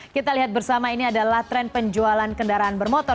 kita lihat bersama ini adalah tren penjualan kendaraan bermotor